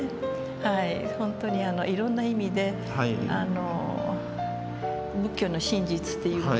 本当にいろんな意味で仏教の真実というものをね